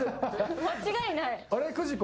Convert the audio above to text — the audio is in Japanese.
間違いない。